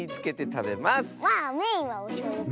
メインはおしょうゆかな。